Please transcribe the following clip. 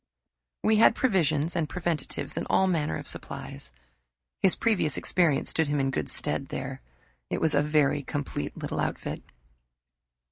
We had provisions and preventives and all manner of supplies. His previous experience stood him in good stead there. It was a very complete little outfit.